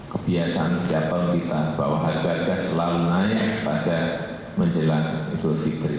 kebiasaan setiap tahun kita bahwa harga harga selalu naik pada menjelang itu